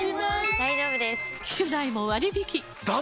大丈夫です！